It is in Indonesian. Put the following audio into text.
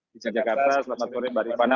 di jakarta selamat sore mbak rifana